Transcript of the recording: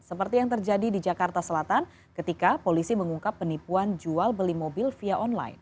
seperti yang terjadi di jakarta selatan ketika polisi mengungkap penipuan jual beli mobil via online